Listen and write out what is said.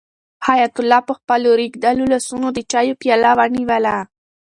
حیات الله په خپلو ریږېدلو لاسونو د چایو پیاله ونیوله.